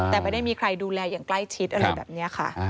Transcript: แต่ไม่ได้มีใครดูแลอย่างใกล้ชิดอะไรแบบนี้ค่ะ